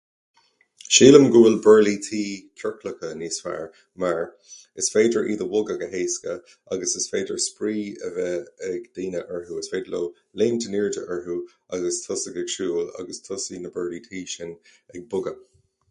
Sílim go bhfuil buirlí tuí ciorclacha níos fearr mar is féidir iad a bhogadh go héasca agus is féidir spraoi a bheith ag daoine orthu. Is féidir leo léimt in airde orthu agus tosaigh ag siúl agus tosaíonn na buirlí tuí sin ag bogadh.